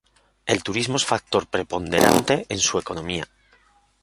El turismo es factor preponderante en su economía.